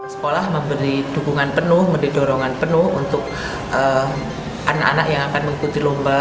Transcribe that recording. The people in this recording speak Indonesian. sekolah memberi dukungan penuh memberi dorongan penuh untuk anak anak yang akan mengikuti lomba